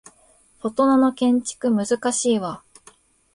フォトナの建築難しいわ